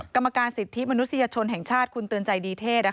กรรมการสิทธิมนุษยชนแห่งชาติคุณเตือนใจดีเทศ